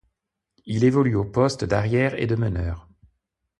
Il évolue aux poste d'arrière et de meneur.